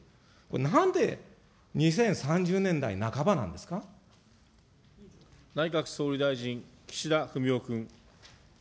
なんで２０３０年代半ばなんです内閣総理大臣、岸田文雄君。